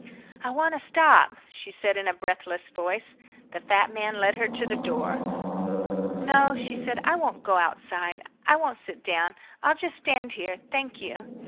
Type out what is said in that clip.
"I want to stop," she said in a breathless voice. The fat man led her to the door. "No," she said, "I won't go outside. I won't sit down. I'll just stand here, thank you."